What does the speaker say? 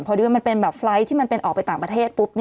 ที่ว่ามันเป็นแบบไฟล์ทที่มันเป็นออกไปต่างประเทศปุ๊บ